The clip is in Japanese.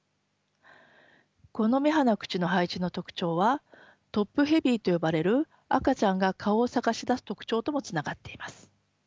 この目鼻口の配置の特徴はトップヘビーと呼ばれる赤ちゃんが顔を探し出す特徴ともつながっています。